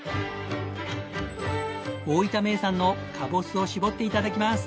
大分名産のカボスを搾って頂きます。